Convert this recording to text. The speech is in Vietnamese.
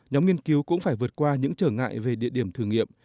nhóm nghiên cứu cũng phải vượt qua những trở ngại về địa điểm thử nghiệm